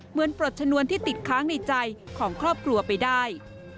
ปลดชนวนที่ติดค้างในใจของครอบครัวไปได้